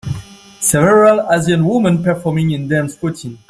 Several Asian woman performing in dance routine.